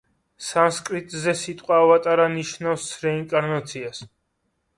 სანსკრიტზე სიტყვა ავატარა ნიშნავს რეინკარნაციას.